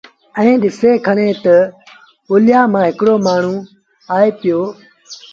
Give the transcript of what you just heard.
ائيٚݩ ڏسي کڻي تا اوليآ مآݩ هڪڙو مآڻهوٚٚݩآئي پيو